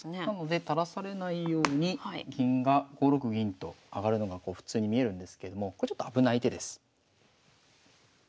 なので垂らされないように銀が５六銀と上がるのが普通に見えるんですけれどもこれちょっと危ない手です。